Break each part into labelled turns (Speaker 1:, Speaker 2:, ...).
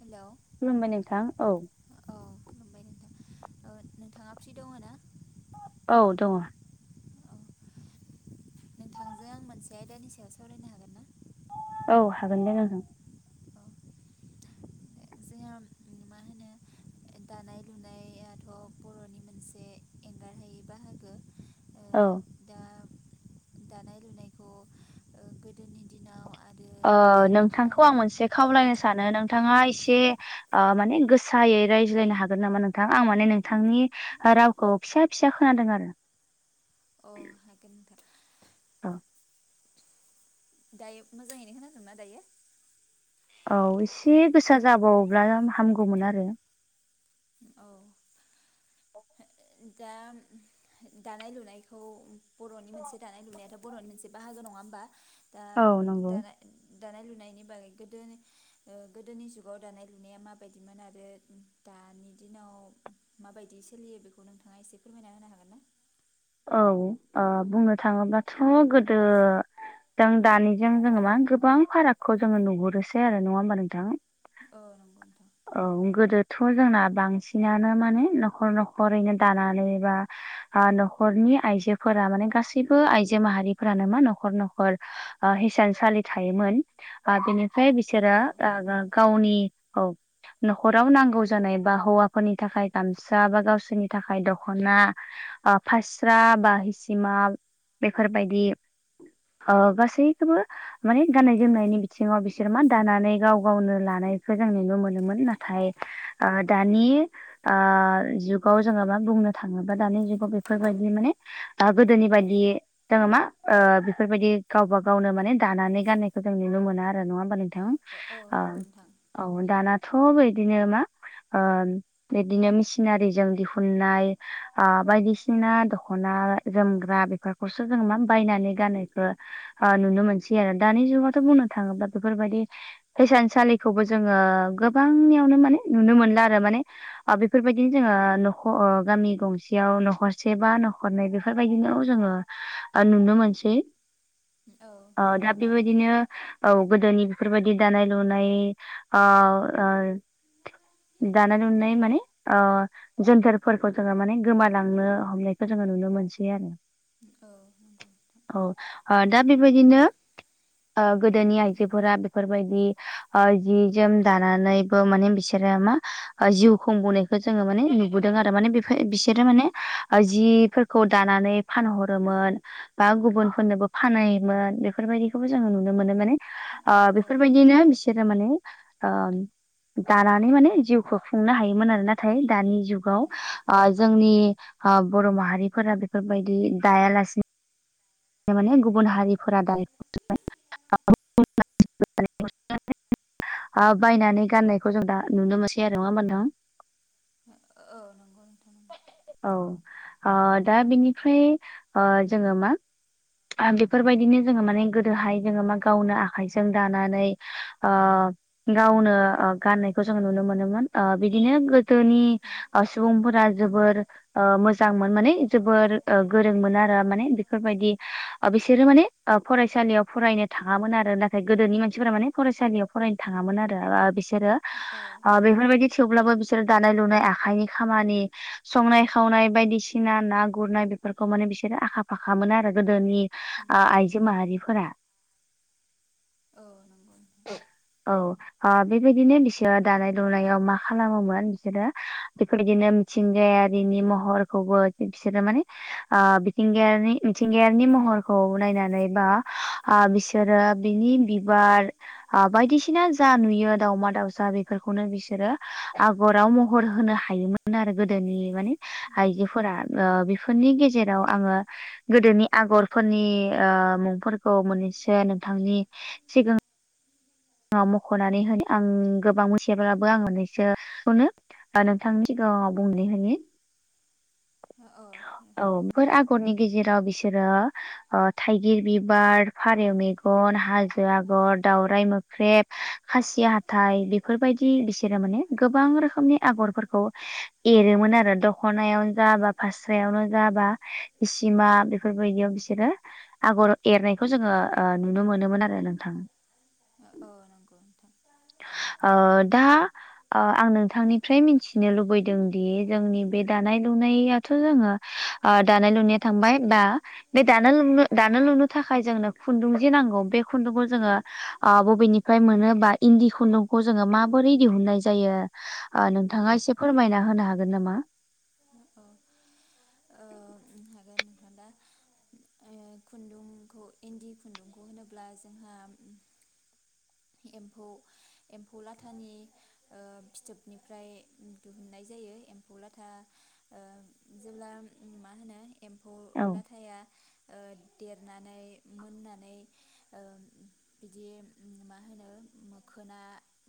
Speaker 1: Hello
Speaker 2: खुलुमबाय नोंथां औ।
Speaker 1: औ खुलुमबाय नोंथां औ नोंथांङा फ्रि दङोना?
Speaker 2: औ दंङ।
Speaker 1: औ नोंथांजों आं मोनसे आयदानि सायाव सावरायनो हागोन ना?
Speaker 2: औ हागोन दे ओं
Speaker 1: औ जोंहा मा होनो दानाय लुनायाथ' बर'नि मोनसे एंगारहायि बाहागो।
Speaker 2: औ
Speaker 1: दा दानाय लुनायखौ ओ गोदोनि दिनाव आरो
Speaker 2: ओ
Speaker 1: दानि दिनाव माबायदिमोन?
Speaker 2: नोंथांङा एसे माने गोसायै रायज्लायनो हागोन नामा नोंथां आं माने नों थांनि रावखौ फिसा फिसा खोनादों आरो।
Speaker 1: अ हागोन था।
Speaker 2: औ
Speaker 1: दायो मोजाङैनो खोनादों ना दायो?
Speaker 2: औ एसे गोसा जाबावोब्ला हामगौमोन आरो।
Speaker 1: औ। [unintelligible] दा दानाय लुनायखौ बर'नि मोनसे दानाय लुनायाथ' बर'नि मोनसे बाहागो नङा होमबा दा
Speaker 2: औ नंगौ
Speaker 1: दाना दानाय लुनायनि बागै गोदोनो ओ गोदोनि जुगाव दानाय लुनाया माबायदिमोन आरो दानि दिनाव माबायदि सोलियो बेखौ नोंथांङा एसे फोरमायना होनो हागोन ना?
Speaker 2: औ ओ बुंनो थाङोब्लाथ' गोदो जों दानिजों जोङो मा गोबां फारागखौ जोङो नुहुरोसै आरो नङा होमबा नोंथां?
Speaker 1: औ नंगौ नोंथां।
Speaker 2: ओं गोदोथ' जोंना बांसिनानो माने न'खर न'खरैनो दानानै बा ओ न'खरनि आइजोफोरा माने गासैबो आइजो माहारिफोरानो मा न'खर न'खर ओ हिसानसालि थायोमोन। ओ बेनिफ्राय बिसोरो
Speaker 1: ना
Speaker 2: ओ गो गावनि औ। न'खराव नांगौ जानाय बा हौवाफोरनि थाखाय गामसा बा गावसोरनि थाखाय दखना ओ फास्रा बा हिसिमा बेफोरबायदि ओ गासैखोबो माने गाननाय जोमनायनि बिथिंङाव बिसोर मा दानानै गाव गावनो लानायखो जों नुनो मोनो। मोन नाथाय ओ दानि ओ जुगाव जोङो मा बुंनो थाङोबा दानि जुगाव बेफोरबायदि माने ओ गोदोनि बादि जोङो मा ओ बेफोरबायदि गावबा गावनो माने दानानै गाननायखौ जों नुनो मोना आरो नङा होमबा नोंथां?
Speaker 1: ओ ओ नंगौ नोंथां।
Speaker 2: औ दानाथ' बैदिनो मा ओ बिदिनो मिसिनारिजों दिहुननाय ओ बायदिसिना दख'ना जोमग्रा बेफोर खौसो जों मा बायनानै गाननायखो ओ नुनो मोनसै आरो दानि
Speaker 1: औ
Speaker 2: जुगावथ' बुंनो थाङोब्ला बेफोरबायदि हिसानसालिखौबो जोङो गोबांनियावनो माने नुनो मोनला आरो माने ओ बेफोरबायदिनो जोङो नख'ओ गामि गंसेयाव न'खरसे बा न'खरनै बेफो फोरबायदिनाव जोङो ओ नुनो मोनसै।
Speaker 1: औ
Speaker 2: ओ
Speaker 1: नंगौ
Speaker 2: दा
Speaker 1: नोंथां औ नंगौ नोंथां
Speaker 2: बेबायदिनो औ गोदोनि बिफोरबायदि दानाय लुनाय ओ ओ दानाय लुनाय माने ओ जोन्थोरफोरखौ जोङो माने गोमालांनो हमनायखो जोङो नुनो मोनसै आरो।
Speaker 1: औ नंगौ।
Speaker 2: औ दा बिबायदिनो ओ गोदोनि आइजोफोरा बिफोरबायदि ओ जि जोम दान नानैबो माने बिसोरो मा ओ जिउ खुंबोनायखो जोङो माने नुबोदों आरो माने बेफोर बिसोरो माने ओ जिफोरखौ दानानै फानहरोमोन बा गुबुनफोरनोबो फानहैयोमोन बेफोरबायदिखौबो जोङो नुनो मोनो माने ओ बेफोरबायदिनो बिसोरो माने ओ दानानै माने जिउखौ खुंनो हायोमोन आरो नाथाय दानि जुगाव ओ जोंनि ओ बर' माहारिफोरा बेफोरबायदि दायालासि नो माने गुबुन हारिफोरा [unintelligible] हा बायनानै गाननायखौ जों दा नुनो मोनसै आरो नङा होमबा नोंथां?
Speaker 1: ओ नंगौ नोंथां।
Speaker 2: औ ओ दा बिनिफ्राय ओ जोङो मा आ बेफोरबायदिनो जोङो माने गोदोहाय जोङो मा गावनो आखाइजों दानानै ओ गावनो ओ गाननायखौ जों नुनो मोनोमोन ओ बिदिनो गोदोनि ओ सुबुंफोरा जोबोद मोजांमोन माने जोबोर गोरोंमोन आरो माने बेफोरबायदि बिसोरो माने फरायसालियाव फरायनो थाङामोन आरो नाथाय गोदोनि मानसिफोरा माने फरायसालियाव फरायनो थाङामोन आरो बिसोरो
Speaker 1: ओ
Speaker 2: बेफोरबायदि थेवब्लाबो बिसोरो दानाय लुनाय आखाइनि खामानि संनाय खावनाय बायदिसिना ना गुरनाय बेफोरखौ माने बिसोरो आखा फाखामोन आरो गोदोनि ओ आइजो माहारिफोरा
Speaker 1: [unintelligible] नंगौ नोंथां
Speaker 2: औ अ बेबायदिनो बिसोरो दानाय लुनायाव मा खालामोमोन बिसोरो बेफोरबायदिनो मिथिंगायारिनि महरखौबो बिसोरो माने मिथिंगायनि मिथिंगायारिनि महरखौ नायनानै बा बिसोरो बिनि बिबार बायदिसिना जा नुयो दावमा दावसा बेफोरखौनो बिसोरो गराव महर होनो हायोमोन आरो गोदोनि माने आइजोफोरा बेफोरनि गेजेराव आङो गोदोनि आगरफोरनि मुंफोरखौ मोननैसो नोंथांनि सिगां मख'नानै होनो आं गोबां मिथियाब्लाबो आं मोननैसोखौनो नोंथांनि सिगाङाव बुंनि होनि
Speaker 1: अ जागोन दे
Speaker 2: हरनि गेजेराव बिसोरो थाइगिर बिबार फारौ मेगन हाजो आगर दावराइ मो ख्रेब खासि हाथाइ बेफोरबायदि बिसोरो माने गोबां रोखोमनि आगरफोरखौ एरोमोन आरो दख'नायाव जा बा फास्रायावनो जाबा बिसिमा बेफोरबायदियाव बिसोरो आगर एरनायखौ जोङो नुनो मोनोमोन आरो नोंथां
Speaker 1: औ नंगौ नोंथां
Speaker 2: ओ दा आं नोंथांनिफ्राय मिथिनो लुबैदों दि जोंनि बे दानाय लुनाय दाथ' जोङो दानाय लुनाया थांबाय बा बे दानो लनो दानो लुनो थाखाय जोंनो खुन्दुं जे नांगौ बे खुन्दुंखौ जोङो बबेनिफ्राय मोनोबा इन्दि खुन्दुंखौ जोङो माबोरै दिहुननाय जायो नोंथाङा एसे फोरमायना होनो हागोन नामा?
Speaker 1: अह ओ हागोन नोंथां दा ओ खुन्दुंखौ इन्दि खुन्दुंखौ होनोब्ला जोंहा एम्फौ एम्फौ लाथानि ओ फिथोबनिफ्राय दिहुननाय जायो एम्फौ लाथा ओ जेब्ला मा होनो एम्फौ
Speaker 2: औ
Speaker 1: लाथाया ओ देरनानै मोननानै ओम बिदि मा होनो मोखोना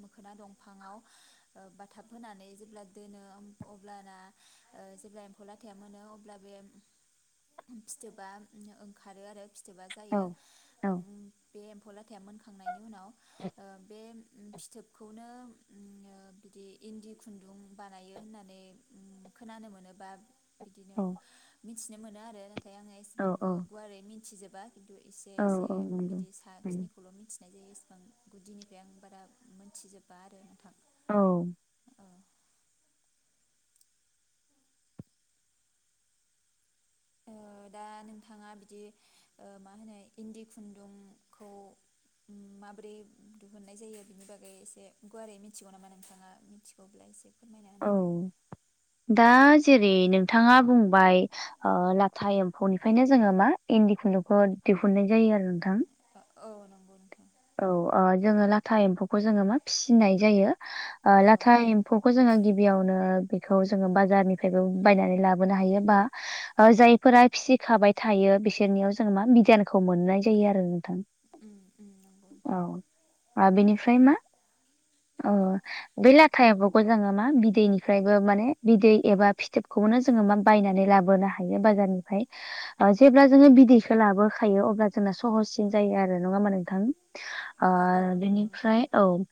Speaker 1: मोखोना दंफाङाव ओ बाथाब होनानै जेब्ला दोनो अब्लाना ओ जेब्ला एम्फौ लाथाया मोनो अब्ला बे फिथोबा ओंखारो आरो फिथोबा
Speaker 2: औ
Speaker 1: जायो
Speaker 2: औ
Speaker 1: बे एम्फौ लाथाया मोनखांनायनि उनाव ओ बे फिथोबखौनो बिदि इन्दि खुन्दुं बानायो होननानै उम खोनानो मोनोबा बिदिनो
Speaker 2: औ
Speaker 1: मिथिनो मोनो आरो नाथाय आङो
Speaker 2: औ
Speaker 1: एसेबांबो गुवारै मिनथिजोबा खिन्थु एसे
Speaker 2: औ
Speaker 1: एसे
Speaker 2: औ नंगौ
Speaker 1: बिदि सा खिनिखौल' मिथिनाय जायो इसेबां गुदिनिफ्राय आं बारा मोनथिजोबा आरो नोंथां
Speaker 2: औ
Speaker 1: औ ओ दा नोंथाङा बिदि ओ मा होनो इन्दि खुन्दुंखौ उम माबोरै दिहुननाय जायो बिनि बागै एसे गुवारै मिथिगौ नामा नोंथाङा? मिथिगौब्ला एसे फोरमायना होनो हागोन ना?
Speaker 2: औ दा जेरै नोंथाङा बुंबाय ओ लाथा एम्फौनिफ्रायनो जोङो मा इन्दि खुन्दुंखौ दिहुननाय जायो आरो। नोंथां
Speaker 1: औ नंगौ नोंथां।
Speaker 2: औ ओ जोङो लाथा एम्फौखौ जोङो मा फिसिनाय जायो। ओ
Speaker 1: औ
Speaker 2: लाथा [unintelligible] [unintelligible] जोङो गिबियावनो बेखौ जोङो बाजारनिफ्रायबो बायनानै लाबोनो हायो बा जायफोरा फिसि खाबाय थायो बिसोरनियाव जोङो मा मिडियानखौ मोननाय जायो आरो नोंथां।
Speaker 1: उम उम नंगौ नोंथां।
Speaker 2: औ बेनिफ्राय मा अ बै लाथायाबो जोङो मा बिदैनिफ्रायबो माने बिदै एबा फिथोबखौनो जोङो मा बायनानै लाबोनो हायो बाजारनिफ्राय। जेब्ला जोङो बिदैखौ लाबोखायो अब्ला जोंना सहससिन जायो आरो नङा होमबा नोंथां? ओ
Speaker 1: औ औ नंगौ नोंथां
Speaker 2: बेनिफ्राय औ ओ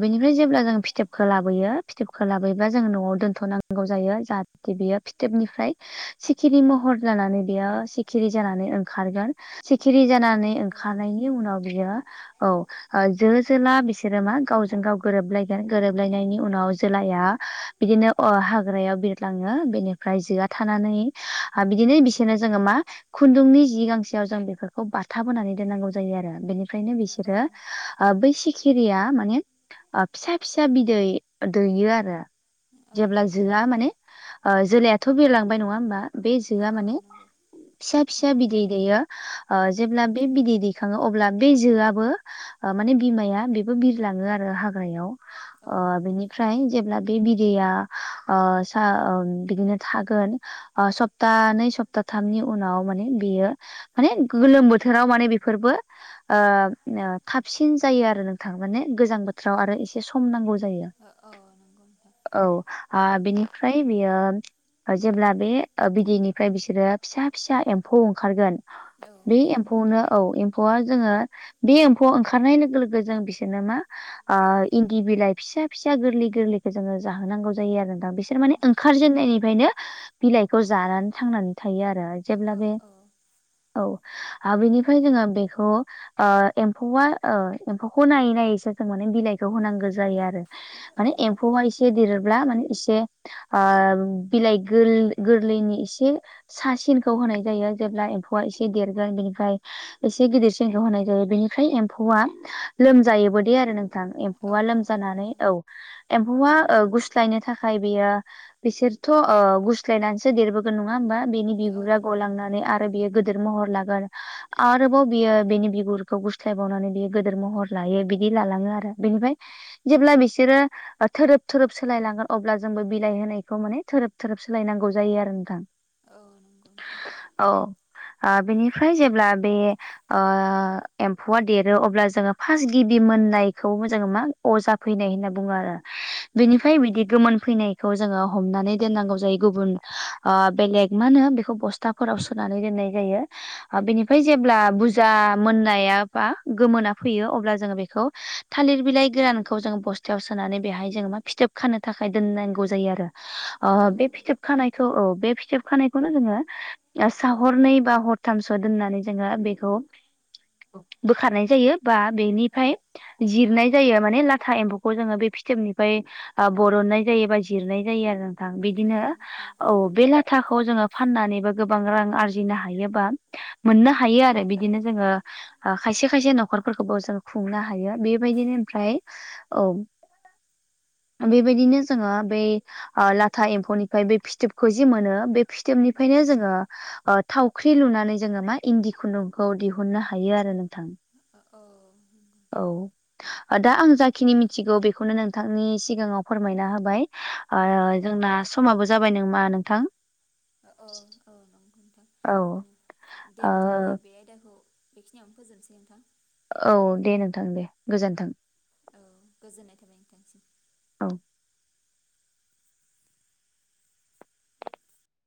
Speaker 2: बेनिफ्राय जेब्ला जों फिथोबखौ लाबोयो फिथोबखौ लाबोबा जोङो न'आव दोनथ'नांगौ जायो जाहाथे बियो फिथोबनिफ्राय सिखिरि महर जानानै बेयो सिखिरि जानानै ओंखारगोन। सिखिरि जाना [unintelligible]
Speaker 1: औ
Speaker 2: ओंखारनायनि उनाव बियो औ जो जोला बिसोरो मा गावजों- गाव गोरोबलायगोन गोरोबलायनायनि उनाव जोलाया बिदिनो अ हाग्रायाव बिरलाङो बेनिफ्राय जोआ थानानै ओ बिदिनो बिसोरनो जोङो मा खुन्दुंनि जि गांसेयाव जों बेफोरखौ बाथाबहोनानै दोननांगौ जायो आरो। बेनि ओमफ्रायनो
Speaker 1: औ
Speaker 2: बिसोरो ओ बै सिखिरिया माने ओ फिसा फिसा बिदै दैयो आरो। जेब्ला जोआ माने ओ जोलायाथ' बिरलांबाय नङा होमबा? बे जोआ
Speaker 1: औ
Speaker 2: माने
Speaker 1: नंगौ
Speaker 2: फिसा
Speaker 1: उम
Speaker 2: फिसा बिदै दैयो। ओ
Speaker 1: उम
Speaker 2: जेब्ला बे बिदै दैखाङो अब्ला बे जोआबो माने बिमाया बेबो बिरलाङो आरो हाग्रायाव।
Speaker 1: औ
Speaker 2: ओ बिनि ओमफ्राय जेब्ला बे बिदैया ओ सा ओ बिदिनो थागोन सप्तानै सप्तााथामनि उनाव माने बेयो माने गोलोम बोथोराव माने बेफोरबो ओ ओ थाबसिन जायो आरो नोंथां, माने गोजां बोथोराव आरो एसे सम नांगौ जायो।
Speaker 1: औ नंगौ नोंथां।
Speaker 2: औ आ बिनिफ्राय बेयो जेब्ला बे बिदैनिफ्राय बिसोरो फिसा फिसा एम्फौ ओंखारगोन।
Speaker 1: औ
Speaker 2: बे एम्फौ एम्फौनो औ एम्फौआ जोङो बे एम्फौआव ओंखारनाय लोगो लोगो जों बिसोरनो मा आ इन्दि बिलाय फिसा फिसा गोरलै गोरलैखौ जोङो जाहोनांगौ जायो आरो दा बिसोर माने ओंखारजेननायनिफ्रायनो बिलाइखौ जानानै थांनानै थायो आरो
Speaker 1: औ
Speaker 2: जेब्ला बे
Speaker 1: औ
Speaker 2: औ, आरो बेनिफ्राय जोङो बेखौ ओ एम्फौआ ओ एम्फौखौ नायै नायैसो जों माने बिलाइखौ होनांगौ जायो आरो। माने एम्फौआ एसे देरोब्ला माने एसे ओ बिलाइ गोर-गोरलैनि इसे सा सिनखौ होनाय जायो जेब्ला एम्फौआ एसे देरगोन बेनिफ्राय एसे गिदिरसिनखौ होनाय जायो बेनिफ्राय एम्फौआ लोमजायोबो दे आरो नों
Speaker 1: औ
Speaker 2: एम्फौआ
Speaker 1: औ
Speaker 2: लोमजानानै औ एम्फौआ गुस्लायनो थाखाय बेयो बिसोरथ' ओ गुस्लायनानैसो देरबोगोन नङा होमबा? बेनि
Speaker 1: औ
Speaker 2: बिगुरा
Speaker 1: नंगौ नोंथां
Speaker 2: गलांनानै आरो बेयो गो गिदोर महर लागोन। आरोबाव बियो बेनि बिगुरखौ गुस्लायबावनानै बियो गिदिर महर लायो बिदि लालाङो आरो बेनिफ्राय जेब्ला बिसोरो थोरोब थोरोब सोलायलांगोन अब्ला जोंबो बिलाइ होनायखौ माने थोरोब थोरोब सोलायनांगौ जायो आरो नोंथां।
Speaker 1: औ नंगौ नोंथां।
Speaker 2: औ बेनिफ्राय जेब्ला बे एम्फौआ देरो अब्ला जोङो फार्स्ट गिबि मोननायखौबो जोङो मा अजा फैनाय होनना बुङो आरो
Speaker 1: औ
Speaker 2: बेनिफ्राय बिदि गोमोन फैनायखौ जोङो हमनानै दोननांगौ जायो गुबुन बेलेग मा होनो बेखौ बस स्थाफोराव सोनानै दोननाय जायो। बेनिफ्राय जेब्ला बुरजा मोननाया बा गोमोना फैयो अब्ला जोङो बेखौ थालिर बिलाइ गोरानखौ जों बस थायाव सोनानै बेहाय जोङो मा फिथोब खानो थाखाय दोननांगौ जायो आरो
Speaker 1: औ ओ
Speaker 2: बे फिथोब खानायखौ औ बे फिथोब खानायखौनो जोङो सा हरनै बा हरथामसो दोननानै जोङो बेखौ बोखारनाय जायो बा
Speaker 1: औ
Speaker 2: बेनिफ्राय जिरनाय जायो माने लाथा एम्फौ खौ जोङो बे फिथोबनिफ्राय बरननाय जायो बा जिरनाय जायो आरो बिदिनो औ बे ला थाखौ जोङो फाननानै बा गोबां रां आरजिनो हायोबा मोननो हायो आरो बिदिनो जोङो। खायसे खायसे न'खरफोरखौबो जों खुंनो हायो बेबायदिनो ओमफ्राय औ बेबायदिनो जोङो बे लाथा एम्फौनिफ्राय बे फिथोबखौ जि मोनो बे फिथोबनिफ्रायनो जोङो। थावख्रि लुनानै जोङो मा इन्दि खुन्दुंखौ दिहुननो हायो आरो नोंथां।
Speaker 1: अ औ
Speaker 2: औ दा आं जाखिनि मिथिगौ बेखौनो नोंथांनि सिगाङाव फोरमायना होबाय।
Speaker 1: औ
Speaker 2: जोंना समाबो जाबाय नामा नोंथां।
Speaker 1: औ औ नोंथां
Speaker 2: औ
Speaker 1: दे
Speaker 2: ओ
Speaker 1: बिदिब्ला बे आयदाखौ बेखिनियावनो फोजोबनोसै नोंथां।
Speaker 2: औ दे नोंथां दे गोजोन्थों।
Speaker 1: औ गोजोननाय थाबाय नोंथांसिम।
Speaker 2: औ।